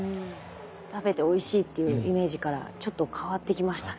「食べておいしい」っていうイメージからちょっと変わってきましたね。